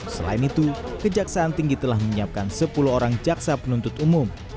selain itu kejaksaan tinggi telah menyiapkan sepuluh orang jaksa penuntut umum